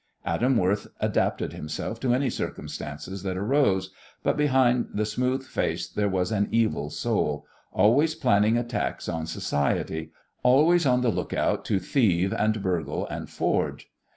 Adam Worth adapted himself to any circumstances that arose, but behind the smooth face there was an evil soul, always planning attacks on society, always on the lookout to thieve and burgle and forge.